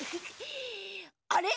あれ？